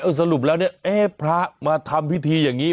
สรุปแล้วเนี่ยเอ๊ะพระมาทำพิธีอย่างนี้